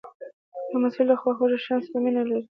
لمسی له خواږه شیانو سره مینه لري.